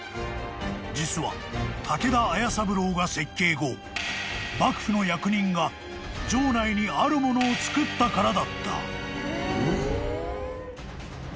［実は武田斐三郎が設計後幕府の役人が城内にあるものを造ったからだった］